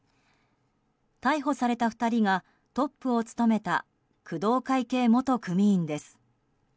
逮捕された２人がトップを務めた工藤会系元組員です。